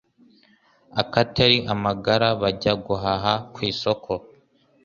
Akatari amagara Bajya guhaha kw'isiko.